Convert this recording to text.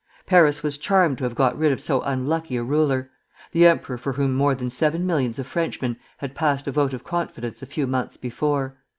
Paris was charmed to have got rid of so unlucky a ruler, the emperor for whom more than seven millions of Frenchmen had passed a vote of confidence a few months before.